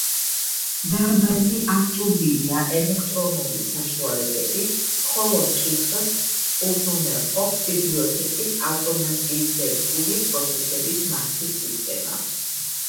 დარბაზი აღჭურვილია ელექტრონული საშუალებებით, ხოლო მკითხველს უზრუნველყოფს ბიბლიოთეკის ავტომატიზებული პროცესების მართვის სისტემა.